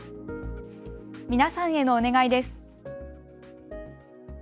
皆さんへのお願いです。